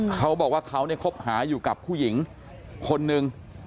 เขาบอกว่าเขาครบหาอยู่กับผู้หญิงคนหนึ่ง